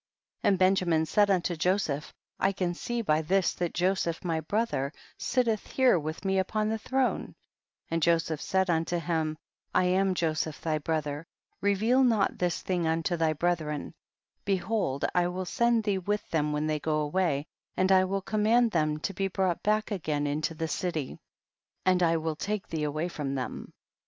And Benjamin said unto Jo seph, I can see by this that Joseph my brother sitteth here with me upon the throne, and Joseph said unto him, I am Joseph thy brother, reveal not this thing unto thy brethren ; behold I will send thee with them when they go away, and I will command them to be brought back again into the city, and I will take thee away from them.